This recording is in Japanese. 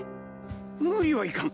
無理はいかん。